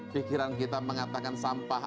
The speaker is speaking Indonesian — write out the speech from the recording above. pikiran kita mengatakan sampah